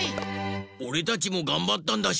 おれたちもがんばったんだし。